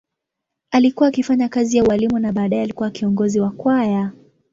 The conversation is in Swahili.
Alikuwa akifanya kazi ya ualimu na baadaye alikuwa kiongozi wa kwaya.